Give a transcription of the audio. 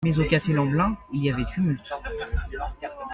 Mais au café Lemblin, il y avait tumulte.